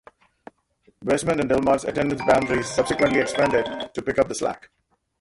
Westmont and Del Mar's attendance boundaries subsequently expanded to pick up the slack.